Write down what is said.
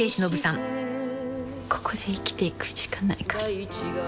「ここで生きていくしかないから」